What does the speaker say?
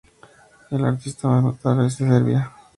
Es la artista más notable de Serbia.